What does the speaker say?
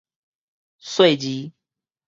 細字